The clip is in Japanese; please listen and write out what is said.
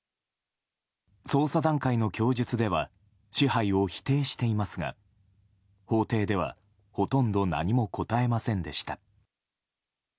捜査段階の供述では支配を否定していますが法廷ではほとんど何も答えませんでした。